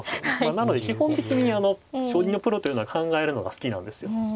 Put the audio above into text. なので基本的に将棋のプロというのは考えるのが好きなんですよ。